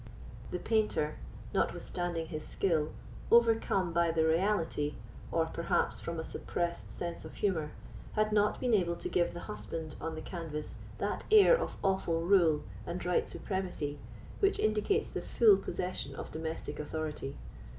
The painter, notwithstanding his skill, overcome by the reality, or, perhaps, from a suppressed sense of humour, had not been able to give the husband on the canvas that air of awful rule and right supremacy which indicates the full possession of domestic authority.